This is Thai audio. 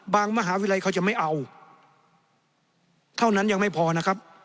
มหาวิทยาลัยเขาจะไม่เอาเท่านั้นยังไม่พอนะครับ